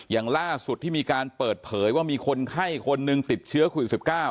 อย่างล่าสุดที่มีการเปิดเผยว่ามีคนไข้คนหนึ่งติดเชื้อโควิด๑๙